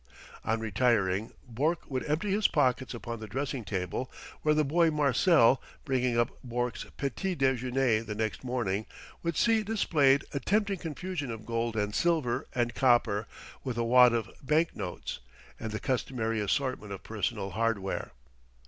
On retiring, Bourke would empty his pockets upon the dressing table, where the boy Marcel, bringing up Bourke's petit déjeuner the next morning, would see displayed a tempting confusion of gold and silver and copper, with a wad of bank notes, and the customary assortment of personal hardware.